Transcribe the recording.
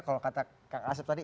kalau kata kang asep tadi